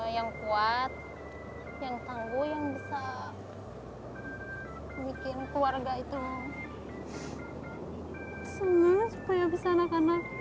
yang kuat yang tangguh yang bisa bikin keluarga itu senang supaya bisa anak anak